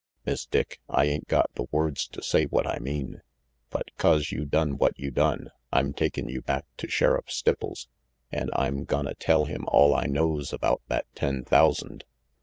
Miss Dick, I ain't got the words to say what I mean, but 'cause you done what you done, I'm takin' you back to Sheriff Stipples, an' I'm gonna tell him all I knows about that ten thousand.